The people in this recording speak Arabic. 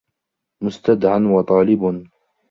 مُسْتَدْعًى وَطَالِبٌ